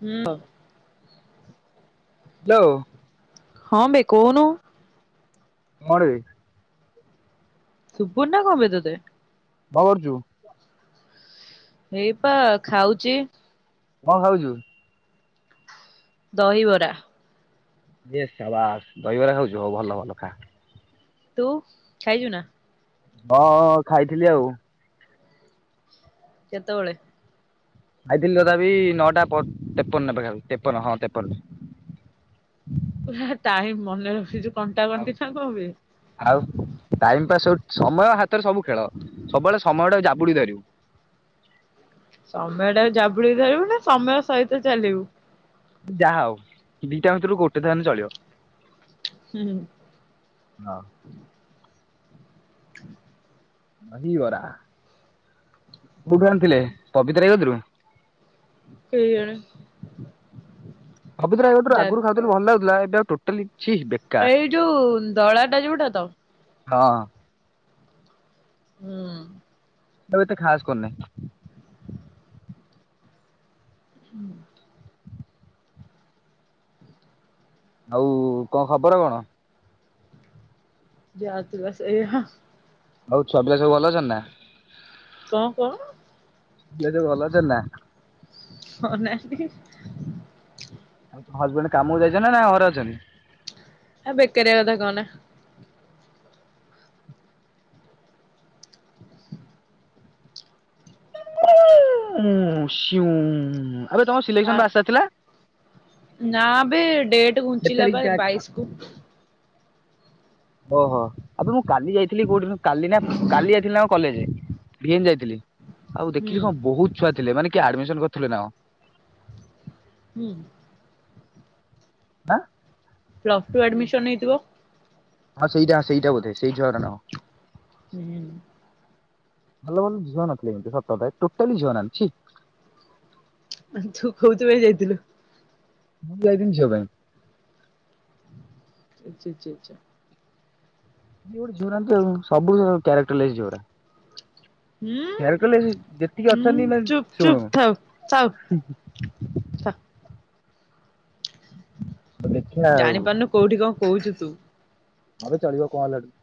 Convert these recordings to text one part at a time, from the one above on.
ହୁଁ। ହାଲୋ। ହଁ ବେ କୋହୁନୁ। କଣ ବେ। ଶୁଭୁନି ନା କଣ ବେ ତତେ। କଣ କରୁଚୁ? ଏଇପା ଖାଉଚି। କଣ ଖାଉଚୁ? ଦହିବରା। ଇଏ ସାବାସ ଦହିବରା ଖାଉଛୁ ହଉ ଭଲ ଭଲ ଖା। ତୁ ଖାଇଚୁ ନା। ହଁ ହଁ ଖାଇଥିଲି ଆଉ। କେତେବେଳେ? ଖାଇଥିଲି ତଥାପି ନଅଟା ପ ତେପନ ପାଖାପାଖି ତେପନ ହଁ ତେପନ। ପୁରା ଟାଇମ୍ ମନେ ରଖିଚୁ କଣ୍ଟା କଣ୍ଟି ନା କଣ ବେ। ଆଉ ଟାଇମ ପାସ୍ ହଉ ସମୟ ହାତରେ ସବୁ ଖେଳ। ସବୁବେଳେ ସମୟ ଟାକୁ ଜାବୁଡିକି ଧରିବୁ। ସମୟ ଟା କୁ ଜାବୁଡି ଧରିବୁ ନା ସମୟ ସହିତ ଚାଲିବୁ। ଯାହା ହଉ ଦିଟା ଭିତରୁ ଗୋଟେ ତ ହେଲେ ଚଳିବ। ହୁଁ। ହଁ [inaudible] ଦହିବରା, କୋଉଠି ଆଣିଥିଲେ ପବିତ୍ର ଭାଇ କତିରୁ। କେଇ ଜାଣି। ପବିତ୍ର ଭାଇ କତିରୁ ଆଗରୁ ଖାଉଥିଲୁ ଭଲ ଲାଗୁଥିଲା ଏ ସିଏ ଆଉ ଟୋଟାଲି ଛି ବେକାର ଏଇ ଯୋଉ ଦଳାଟା ଯୋଉଟା ତ। ହଁ ହଁ। ହୁଁ। ଏବେ ଏତେ ଖାସ କରୁନି। [inaudible] ଆଉ କଣ ଖବର କଣ? ଯାହା ଥିବ ସେଇଆ। ହଉ ଛୁଆ ପିଲା ସବୁ ଭଲ ଅଛନ୍ତି ନା? କଣ କଣ [unintelligible] ଭଲ ଅଛନ୍ତି ନା? ହଁ। [unintelligible] ହଜବେଣ୍ଡ କାମକୁ ଯାଇଛନ୍ତି ନା ଘରେ ଅଛନ୍ତି? ଆ ବେକାରିଆ କଥା କହନା। [inaudible] ଆବେ ତମର୍ ସିଲେକ୍ସନ ପା ଆ ଆସିବାର ଥିଲା। ନା ବେ ଡେଟ୍ କେତେ ଘୁଞ୍ଚିଲା ବା ତାରିଖ ବାଇଶ୍ କୁ। ଓହୋ, ଆବେ ମୁଁ କାଲି ଯାଇଥିଲି [unintelligible] କାଲି ନା କାଲି ଯାଇଥିଲି ଆମ କଲେଜ। [unintelligible] ଯାଇଥିଲି। ଆଉ ହୁଁ ଦେଖିଲି କଣ ବହୁତ୍ ଛୁଆ ଥିଲେ ମାନେ କିଏ ଆଡମିସନ୍ କର୍ ଥିବେ ନାଁକ ହୁଁ। ଆଁ? ପ୍ଲସ୍ଟୁ ଆଡମିସନ୍ ହେଇଥିବ। ଆଉ ସେଇଟା ଆ ସେଇଟା ବୋଧେ ସେଇ ଝିଅଟାନା କଣ? ହୁଁ ଭଲ ଭଲ ଝିଅ ନଥିଲେ କିନ୍ତୁ ସତ କଥା ଏଠି ଟୋଟାଲି ଝିଅ ନାହାନ୍ତି ଛି। ମାନେ ତୁ କୋଉଥି ପାଇଁ ଯାଇଥିଲୁ? ମୁଁ ଯାଇଥିନି ଝିଅ ପାଇଁ। ଆଚା ଚା ଚା ଆଚା। [unintelligible] ଝିଅରାନ୍ତ ସବୁ କ୍ୟାରେକ୍ଟରଲେସ୍ ଝିଅଡା। ହୁଁ କ୍ୟାରେକ୍ଟରଲେସ ଯେତିକି ହୁଁ ଅଛନ୍ତି ମାନେ ଚୁପ୍ ଚୁପ୍ ଶୁଣୁ ଥାଉ ଥାଉ ଥାଉ। ଦେଖିବା ଆଉ ଜାଣିପାରୁନୁ କୋଉଠି କଣ କହୁଚୁ ତ୍ ତୁ ହଁ ବେ ଚଳିବ କଣ ହେଲା ହେଠୁ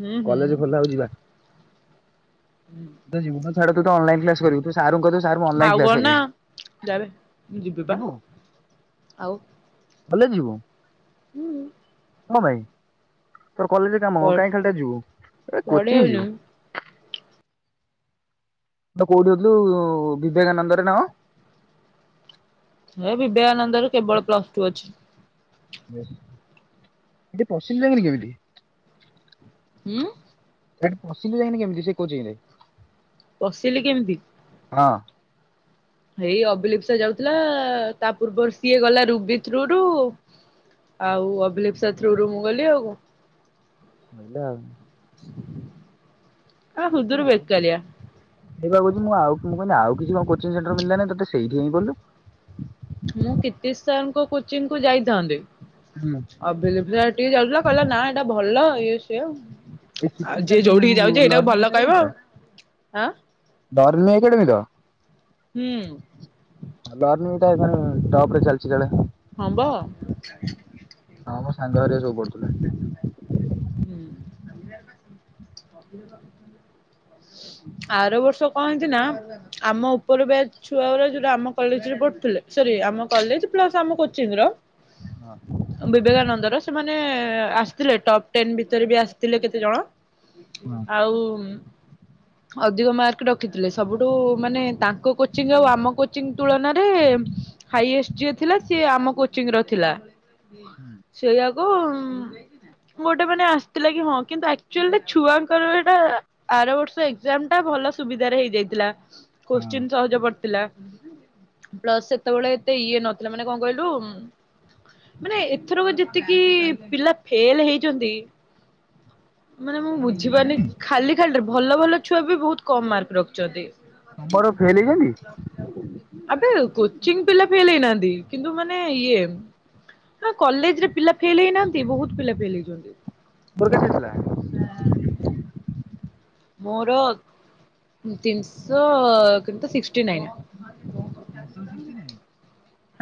ହୁଁ ହୁଁ କଲେଜ ଖୋଲା ହୋଉ ଯିବା। ତୁ ତ ଯିବୁ ଫସ୍ ଛାଡ଼ ତୁ ତ ଅନଲାଇନ୍ କ୍ଲାସ୍ କରିବୁ ତୁ ସାରଙ୍କୁ କହିଦୋବୁ ସା ଆଉ କଣ ନା ଯାବେ ମୁଁ ଯିବି ପା ଯିବୁ। ଆଉ କଲେଜ ଯିବୁ ହୁଁ। କଁ ପାଇଁ? ତୋର କଲେଜରେ କାମ କଣ ପଢ କାଇଁ ଖାଲିଟାରେ ଏ ଯିବୁ କୋଚିଂ ପଢେଇବୁନି ଯିବୁ। ବେ କୋଉଠି କଥୁଲୁ ବିବେକାନନ୍ଦରେ ନା କଣ? ଏ ବିବେକାନନ୍ଦରେ କେବଳ ପ୍ଲସଟୁ ଅଛି। ହେଟି ପସିଲୁ ଯା ଫୁଣି କେମିତି? ଉମ୍? ସେଠି ପସିଲୁ ଯାଇକିନା କେମିତି ସେ କୋଚିଙ୍ଗରେ। ପଶିଲି କେମତି? ହଁ। ଏଇ ଅଭିଲିପ୍ସା ଯାଉଥିଲା ତା ପୂର୍ବରୁ ସିଏ ଗଲା ରୁବି ଥ୍ରୁରୁୁ ଆଉ ଅଭିଲିପସା ଥ୍ରୁରୁୁ ମୁଁ ଗଲି ଆଉ କଁ। ନାଗିଲା ଆଉ। ଏଟା ସୁଦୁରୁ ବେକରିଆ। ସେଇପା କୋହୁଚି ମୁଁ ଆଉ ମୁଁ କହିମି ଆଉ କିଛି କଣ କୋଚିଙ୍ଗ ସେଣ୍ଟର ମିଳିଲାନି ତତେ ସେଇଠି ଯାଇ ପଢିଲୁ। ମୁଁ କୀର୍ତ୍ତି ସାରଙ୍କ କୋଚିଂକୁ ଯାଇଥାନ୍ତେ। ହୁଁ ଅଭିଲିସ୍ପା ଏଠିକି ଯାଉଥିଲା କହିଲା ନା ଏଟା ଭଲ ଆଉ ସେୟା। ଏ ପ୍ରିତୀ ସାର୍ ଯୋଉ ନଳିନି ଏକା କହିବ ଆଉ ଯାଉଚ। ଆଁ? [inaudible] ଏଠାରେ ହୁଁ ଟପ୍ ରେ ଚାଲଚି ଜଣେ। ହଁବ। ହଁ ମଁ ସାଙ୍ଗ ଘରେ ସୋଇ ରେ ପଡୁଥିଲେ। ଆର ବର୍ଷ କଣ ହେଇଛି ନା ଆମ ଉପର ବ୍ୟାଚ ଛୁଆ ଗୁଡା ଯୋଉ ଗୁଡା ଆମ କଲେଜ୍ ରେ ପଢ଼ୁଥିଲେ ସରୀ ଆମ କଲେଜ୍ ପ୍ଲସ ଆମ କୋଚିଙ୍ଗ ର ବିବେକାନନ୍ଦର ସେମାନେ ମାନେ ଆସିଥିଲେ ଟପ୍ ଟେନ୍ ଭିତରେ ବି ଆସିଥିଲେ କେତେ ଜଣ। ହଁ ଆଉ ଅଧିକ ମାର୍କ ରଖିଥିଲେ ସବୁଠୁ ମାନେ ତାଙ୍କ କୋଚିଂ ଆଉ ଆମ କୋଚିଂ ତୁଳନାରେ ହାଇଏଷ୍ଟ ଯିଏ ଥିଲା ସିଏ ଆମ କୋଚିଂ ର ଥିଲା। ହୁଁ, ସେୟାକୁ ଓଙ୍ଗ। ଗୋଟେ ମାନେ ଆସିଥିଲା କି ହଁ କିନ୍ତୁ ଆକ୍ଟୁଲ୍ ରେ ଛୁଆଙ୍କର ଏଟା ଆର ବର୍ଷ ଏକ୍ସାମ୍ ଟା ଭଲ ସୁବିଧାରେ ହେଇଯାଇଥିଲା। ହଁ କୋଏସ୍‌ଚେନ୍ ସହଜ ପଡ଼ି ପିଲା ସେତେବେଳେ ଏତେ ଇଏ ମାନେ କଣ କହିଲୁ ମାନେ ଏଥିରୁ ଯେତିକି ପିଲା ଫେଲ ହେଇ ଛନ୍ତି ମାନେ ମୁଁ ତମର ଫେଲ ବୁଝିପାରୁନି ହେଇଛନ୍ତି? ଖାଲି ଖାଲିଟା ରେ ଭଲ ଭଲ ଛୁଆ ବି ବହୁତ କମ୍ ମାର୍କ ରଖିଛନ୍ତି। ମୋର ଫେଲ ହେଇଛନ୍ତି ଆବେ କୋଚିଙ୍ଗ ପିଲା ଫେଲ ହେଇନାହାନ୍ତି। କିନ୍ତୁ ମାନେ ଇଏ ହ କଲେଜ ରେ ପିଲା ଫେଲ ହେଇନାହାନ୍ତି ବହୁତ ପିଲା ଫେଲ୍ ହେଇଛନ୍ତି। ମୋର କେତେ ଥିଲା? ହଁ। ମୋର ତିନିଶହ କିନ୍ତୁ ଶିକ୍ସ ଟି ନାଇନ୍। ତିନିଶହ ସିକ୍ସଟି ନାଇନି।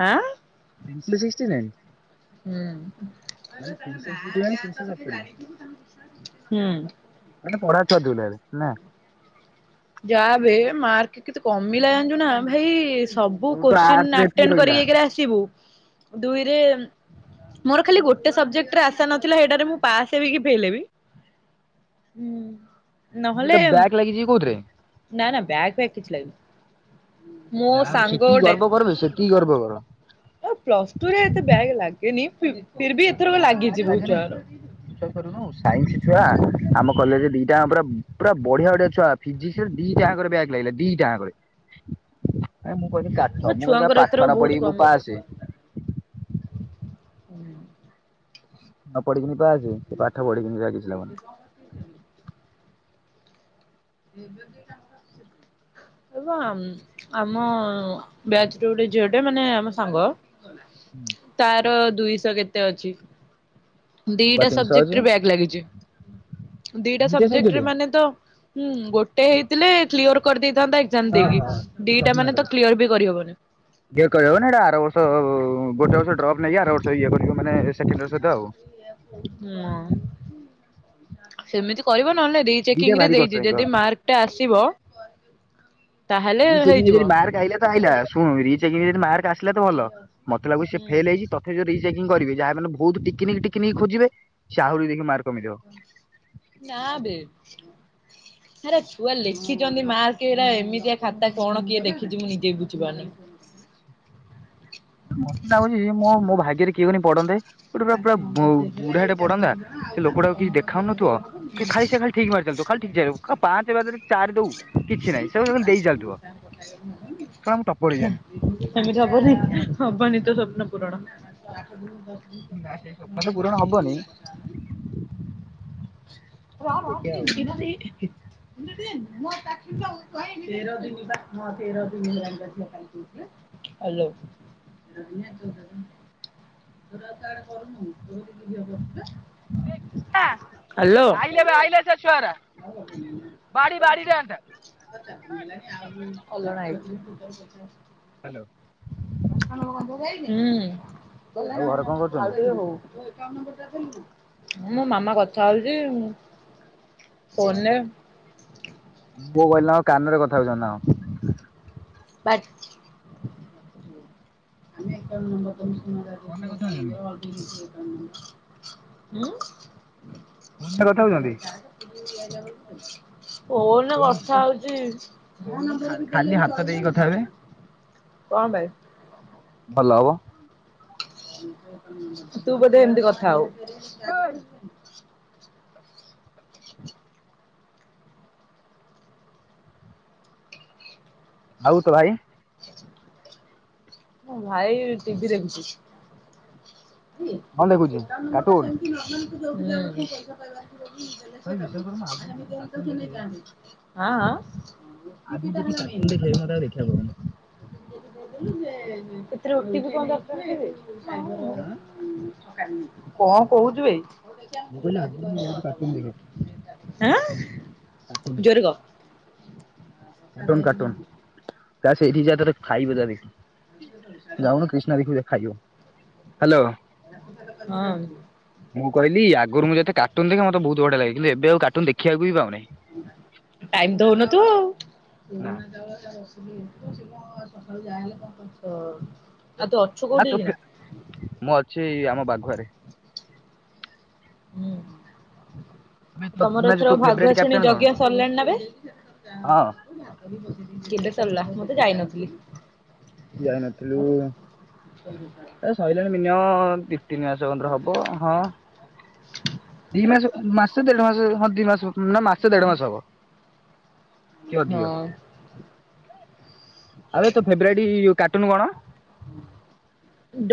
ଆଁ। ତିନି ଶହ ସିକ୍ସଟି ନାଇନ୍। ମାନେ ତିନିଶହ ସିକ୍ସଟି ମାନେ ତିନିଶହ ସତୁରି ହୁଁ ମାନେ ପଢା ଛୁଆ ଥିଲୁ ହେଲେ ନା ହୁଁ। ଜାବେ କେତେ ମାର୍କ କମିଲା ଜାଣିଚୁନା ଭାଇ। ସବୁ ତୋର ତ ଆର୍ଟସ କୋଶ୍ଚିନ ରେ ଏତିକି ଆଟେଣ୍ଡ ରହିଲା କରିକି ଏକରେ ଆସିବୁ। ଦୁଇରେ। ମୋର ଖାଲି ଗୋ ଗୋଟେ ସବଜେକ୍ଟରେ ଆଶା ନଥିଲା ସେଇଟାରେ ମୁଁ ପାସ ହେବି କି ଫେଲ ହେବି। ନହେଲେ ବ୍ୟାଗ୍ ଲାଗିଛିି କି କୋଉଥିରେ। ନା ନା ବ୍ୟାଗ ଫ୍ୟାଗ କିଛି ଲାଗିନି। ମୋ ଯା ସାଙ୍ଗ ସେତିକି ଗୋଟେ ଗର୍ବ କର ବେ ସେତିକି ଗର୍ବ କର। ଆଉ ପ୍ଲସ ଟୁ ରେ ଏତେ ବ୍ୟାଗ ଲାଗେନି ଫି ନା ବ୍ୟାଗ୍ ଲାଗେନି ବିଶ୍ୱାସ କରୁନୁ ସାଇନ୍ସ। ଛୁଆ ଆମ କଲେଜରେ ଦିଟା। ପୁରା ପୁରା ବଢିଆ ବଢିଆ ଛୁଆ ଫିିଜିକସ ରେ ଦିଟାଙ୍କରେ ବ୍ୟାଗ୍ ଲାଗିଲା ଦିଟାଙ୍କରେ। ମୁଁ କହିନି ମୋ କାଠ ମୁଁ କହିନି ଶଳା ଛୁଆଙ୍କର ପାଠ ଏଥର ନ ବହୁତ ପଢିକି ମୁଁ କମ ପାସେ। ହୁଁ। ନ ପଢିକି ମୁଁ ପାସେ। ସେ ପାଠ ପଢିକି କିଛି ଲାଭ ନାହିଁ। ଏବ ମ ଆମ ବ୍ୟାଚର ଗୋଟେ ଝିଅଟେ ମାନେ ଆମ ସାଙ୍ଗ। ନାହିଁ। ତା। ଦୁଇଶହ କେତେ ଅଛି। ମୋର ବା ଦିଟା ତିନିଶହ ସବଜେକ୍ଟ ଅଛି। ରେ ବ୍ୟାଗ ଲାଗିଛି। ଉ ହୁଁ। ଦିଟା ସବଜେକ୍ଟରେ ମାନେ ତ। ହୁଁ ଗୋଟେ ହେଇଥିଲେ କ୍ଲିଅର କରିଦେଇ ହ ହଁ ଗପି ପାଖରୁ କ୍ଲିୟର ବି କରିହବନି। ଝିଅ କରିବ ମାନେ ଏଇଟା ଆର ବର୍ଷ ଗୋଟେ ବ ଡ୍ରପ ନେଇକି ଆର ବର୍ଷ ଇଏ କ ହୁଁ। ସେମିତି କରିବ। ନହେଲେ ରିଚେକିଂ ଦିଟା ରେ ଭାରି କଷ୍ଟ ଦେଇଛି ଏଇଥର। ଯଦି ମାର୍କ ଟା ଆସିବ। [unintelligible] ବିଚାରି ର ହେଇଯିବ। ଯଦି ମାର୍କ ଆଇଲା। ଆଇଲା ଶୁଣୁ ରିଚେକିଂ ରେ ଯଦି ମାର୍କ ଆସ ସିଲା ତ ଭଲ ମତେ ଲାଗୁଚି ସେ ହୁଁ ଫେଲ ହେଇଛି ତତେ ଯଦି। ରୀଚେକିଂ କରିବେ ଯାହା ମାନେ ବହୁତ ଟିକନିକ ଟିକିନିକ ଖୋଜିବେ ସେ ଆହୁରି ଦେଖି ମାର ନା ବେ ଆରେ ଛୁଆ ଲେଖିଛନ୍ତି ମା କିଟା ଏମିତିଆ ଖାତା କଣ କିଏ ଦେେଖିଛି ମୁଁ ନିଜେ ବୁଝିପାରୁନି। ମତେ ଲାଗୁଛି ମୁଁ ମୋ ଭାଗ୍ୟରେ କିଏ ଗୋଟେ ପଢନ୍ତେ। ଗୋଟେ ପୁର ପୁରା ବୁ ବୁଢାଟେ ପଡନ୍ତା ସେ ଲୋକଟାକୁ କିଛି ଦେଖାଉନଥିବ କି ଖାଲି ସେ ଖାଲି ଠିକ ମାରି ଚାଲୁ ଥିବ ଖାଲି ଠିକ ଯିବ ପାଞ୍ଚ ବାରି ଦଉ। କିଛି ନାହିଁ ସେ ଖାଲି ଦେଇ ଚାଲୁଥିବ ଶଳା ମୁଁ ଟପର ହେଇଯାନ୍ତି ତମିତି ହବନି [unintelligible] ହବନି ତ ସପ୍ନ ପୂୁରଣ ର ନା ସେଇ ସ୍ୱପ୍ନ ତ ପୂରଣ ହବନି ଦେଖିବା ଆଉ। ରାଠିନତି [unintelligible] [unintelligible] [unintelligible] ହାଲୋ। [unintelligible] କାଇ ଏରା ଆଇଲେ ସେ ଛୁଆରା? [unintelligible] [unintelligible] [unintelligible] ବାଡି ହୁଁ। ବାଡିରେ ଏନ୍ତା। ହ୍ୟାଲୋ ଆଉ ଘରେ କଣ କରୁଛନ୍ତି? ଆଉ ଟିକେ ହଉ। ମୋ ମାମା କଥା ହଉଛି। ଫୋନ୍ ରେ। ପୁଅ କହିଲା ଆଉ କାନରେ କଥା ହଉଛନ୍ତି ନା। ବାଟ ଆମେ [unintelligible] ଫୋନରେ କଥା ହଉଛନ୍ତି [unintelligible] ଉଁ। [unintelligible] [unintelligible] ଫୋନ୍ ଫୋନରେ କଥା ରେ ହଉଛନ୍ତି କଥା ହଉଛି ମୋ କହୁନୁ ନମ୍ବର କୁ କହୁନୁ ଦେଲେ ଖାଲି ହାତ ଦେଇକି ବି କଥା ହେବେ ଚଳିବନି। କଣ ଭାଇ? ହାଲୋ। ତୁ ବୋଧେ ଏମିତି କଥା ଆଉ [unintelligible] [inaudible] ଆଉ ତୋ ଭାଇ ମୋ ଭାଇ ଟିଭି ଦେଖୁଛି। କଣ ଦେଖୁଛି କାର୍ଟୁନ? [unintelligible] [unintelligible] ବିଶ୍ୱାଷ କରନ୍ତୁ ଆଗୁରୁ ଯେତେ କାର୍ଟୁନ୍ ଦେଖେ ଆଗରୁ ଯେତେ କାର୍ଟୁନ ଦେଖେ ଏଇନା ଦେଖି ପାରୁନି। [unintelligible] ରୁଟି ବି କଣ ଦରକାର କେ ଆଁ କଣ କହୁଚୁ ବେ? ମୁଁ କହିଲି ଆଗରୁ ମୁଁ ବହୁତ କାର୍ଟୁନ ଦେଖେ [unintelligible] କାର୍ଟୁନ। ଆଁ ଜୋରେ କହ। କାର୍ଟୁନ କାର୍ଟୁନ [unintelligible] ଯା ସେଇଠି ଯା ତତେଖାଇବ [unintelligible] ଯାଉନୁ କ୍ରିଷ୍ଣା ଦେଇକୁ ଦେଖାଯିବ। ହ୍ୟାଲୋ ହଁ ମୁଁ କହିଲି ଆଗରୁ ମୁଁ ଯେତେ କାର୍ଟୁନ ଦେଖ ମତେ ବହୁତ ବଢିଆ ଲାଗେ କିନ୍ତୁ ଏବେ ଆଉ କାର୍ଟୁନ୍ ଦେଖିବାକୁ ବି ପାଉନି। ଟାଇମ ତ ହଉନଥିଵ। ନା ପୁରୁଣା ଚାଉଳ [unintelligible] ସକାଳୁ ଯାହାହଲେ କଣ କରିଥିଵ। [unintelligible] ମୁଁ ଅଛି ଆମ ବାଗ ଘରେ ହୁଁ। ତମର ନା ଏଥର ତୋ ଫେବରାଇଟ ଭାଗୁଆଛେଣି କ୍ୟାପଟେନ କଣ? ଜଙ୍ଘୟ ସରିଲାଣି ରେ ହଁ କେବେ ସରିଲା ମୁଁ ତ ଯାଇନଥିଲି। [inaudible] ଯାଇନଥିଲୁ ଏ ସରିଲାଣିିନି ମିନିମ୍ ତିନି ମାସ କନ୍ଧର ହବ ହଁ। ଦି ମାସ ମାସ ଦେଢ ମାସ ହଁ ଦିଇ ମାସ ନା ମାସେ ଦେଢ ମାସେ ହବ। କି ଅଧିକ ହଁ। ଆରେ ତୋ ଫେବ୍ରରାଇଟ କାର୍ଟୁନ୍ [unintelligible]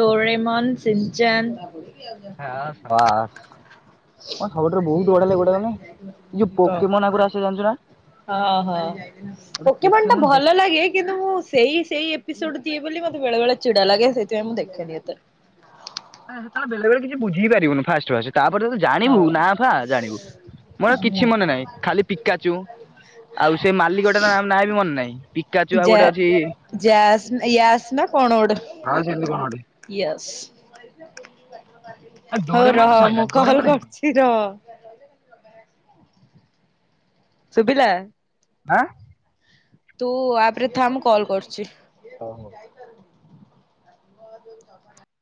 ଡୋରେମନ୍ ସିଞ୍ଚାନ ହଁ [inaudible] ହଁ ସବୁଠାରୁ ବହୁତ ବଢିଆ ଲାଗେ ଗୋଟେ ମାନେ ଏଇ ଯୋଉ କହ ପୋକେମନ ଆଗରୁ ଆସେ ଜାଣିଛୁ ନା? ହଁ ହଁ ଗୋଟେ ପୋକେ ମନ୍ ପୋକେମନ ଟା ଦେଖ ଭଲ ଲାଗେ କିନ୍ତୁ ମୁଁ ସେଇ ସେଇିଏପିସୋଡ୍ ଦିଏ ବୋଲି ମେ ବେଳେ ବେଳେ ଚିଡା ଲାଗେ ସେଇଥିପାଇଁ ମୁଁ ଦେଖେନି ଏତେ ବେଳେ ବଳେ କିଛି ବୁଝି ପାରିବନୁ ଫାଷ୍ଟ ଫା ତାପରେ ତୁ ଜାଣିବୁ ହଉ। ନା ଫା ଜାଣିବୁ ମୋର କିଛି ହୁଁ ମନେ ନାହିଁ ଖାଲି ପିକାଚୁ ଆଉ ସେ ମାଲିକଟା ନାଁ ବି ମନେ ନାହିଁ ପିକାଚୁଆଉ ଯା ଗୋଟେ ଅଛିଣ ଯାସ୍ ୟାସ୍ ନା କଣ ଗୋଟେ ହଁ ସେମିତି ୟସ୍। [inaudible] ଆ ଡୋରେ ମତେ ସଇଲାଣି। କହଲ୍ କରଛି ର। ସୁବିଲା ହାଁ। ତୁ ଆପରେ ଥା ମୁଁ କଲ୍ କରୁଛି। ହ ହୋ [unintelligible] ମଦପନା [inaudible]